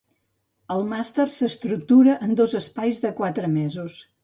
El màster s'estructura en dos espais de quatre mesos.